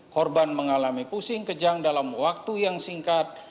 korban mengalami pusing kejang dalam waktu yang singkat